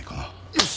よし！